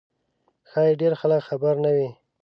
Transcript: ښایي ډېر خلک خبر نه وي.